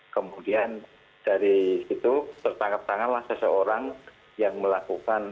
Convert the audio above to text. kemudian dari situ tertangkap tanganlah seseorang yang melakukan